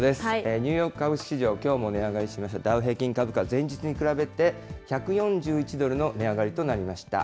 ニューヨーク株式市場、きょうも値上がりしまして、ダウ平均株価、前日に比べて１４１ドルの値上がりとなりました。